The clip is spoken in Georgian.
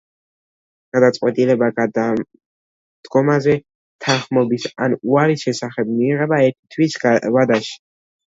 გადაწყვეტილება გადადგომაზე თანხმობის ან უარის შესახებ მიიღება ერთი თვის ვადაში.